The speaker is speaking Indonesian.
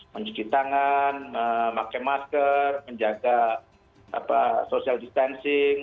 mencuci tangan memakai masker menjaga social distancing